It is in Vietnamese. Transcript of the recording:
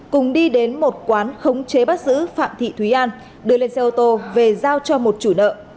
cùng đi đến một quán khống chế bắt giữ phạm thị thúy an đưa lên xe ô tô về giao cho một chủ nợ